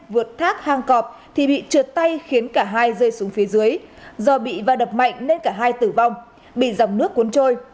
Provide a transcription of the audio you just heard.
vượt thác hang cọp thì bị trượt tay khiến cả hai rơi xuống phía dưới do bị và đập mạnh nên cả hai tử vong bị dòng nước cuốn trôi